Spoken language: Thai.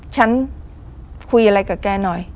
ฉันคุยอะไรกับแกหน่อย